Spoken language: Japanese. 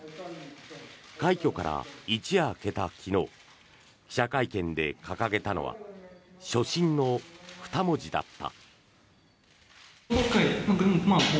快挙から一夜明けた昨日記者会見で掲げたのは「初心」の二文字だった。